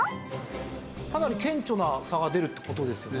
かなり顕著な差が出るって事ですよね。